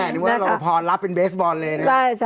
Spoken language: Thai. นิวัลโรงพอล์ลับเป็นเบสบอลเลย